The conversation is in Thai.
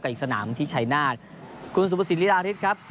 กับอีกสนามที่ชัยหน้าคุณสุภาษีนิราฤทธิ์ครับ